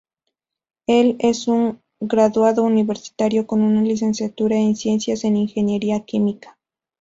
Él es un graduado universitario con una licenciatura en ciencias en ingeniería química.